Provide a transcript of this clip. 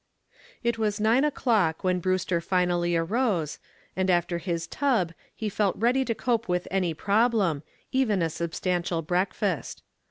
It was nine o'clock when Brewster finally rose, and after his tub he felt ready to cope with any problem, even a substantial breakfast.